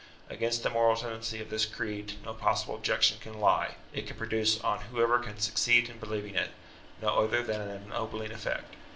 Against the moral tendency of this creed no possible objection can lie : it can produce on whoever can succeed in believing it, no other than an ennobling effect.